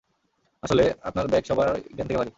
আসলে, আপনার ব্যাগ সবাই জ্ঞান থেকে ভারী!